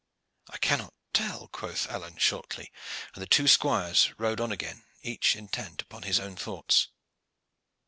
"I cannot tell," quoth Alleyne shortly; and the two squires rode on again, each intent upon his own thoughts.